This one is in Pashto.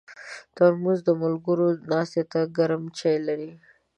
ترموز د ملګرو ناستې ته ګرم چای لري.